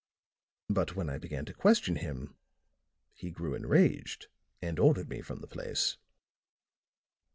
But when I began to question him he grew enraged and ordered me from the place."